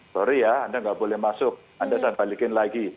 sorry ya anda tidak boleh masuk anda balikin lagi